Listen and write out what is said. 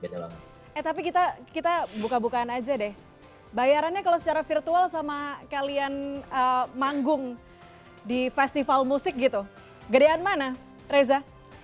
eh tapi kita buka bukaan aja deh bayarannya kalau secara virtual sama kalian manggung di festival musik gitu gedean mana reza